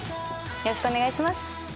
よろしくお願いします。